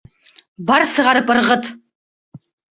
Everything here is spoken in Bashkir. Бар, сығарып ырғыт!